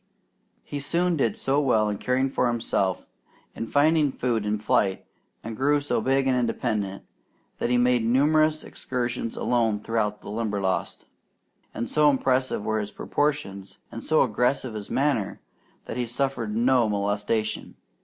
He soon did so well in caring for himself, in finding food and in flight, and grew so big and independent, that he made numerous excursions alone through the Limberlost; and so impressive were his proportions, and so aggressive his manner, that he suffered no molestation.